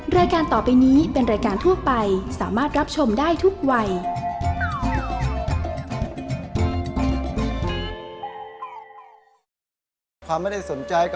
รายการต่อไปนี้เป็นรายการทั่วไปสามารถรับชมได้ทุกวัย